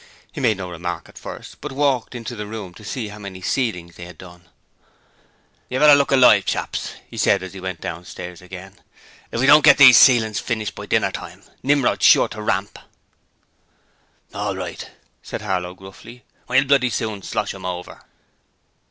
He made no remark at first, but walked into the room to see how many ceilings they had done. 'You'd better look alive, you chaps, he said as he went downstairs again. 'If we don't get these ceilings finished by dinner time, Nimrod's sure to ramp.' 'All right,' said Harlow, gruffly. 'We'll bloody soon slosh 'em over.'